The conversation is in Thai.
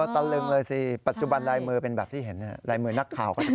ตะลึงเลยสิปัจจุบันลายมือเป็นแบบที่เห็นลายมือนักข่าวก็จริง